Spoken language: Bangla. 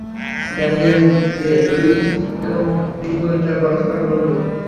ড্যানিয়েল ডে-লুইস এবং রিঙ্গো স্টার পরস্পরের বন্ধু।